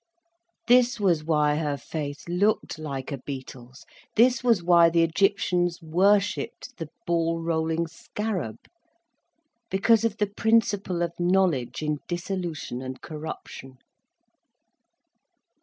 This was why her face looked like a beetle's: this was why the Egyptians worshipped the ball rolling scarab: because of the principle of knowledge in dissolution and corruption.